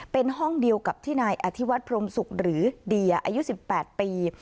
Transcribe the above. เป็นห้องเดียวกับที่นายอธิวัฒนพรมศุกร์หรือเดียอายุ๑๘ปี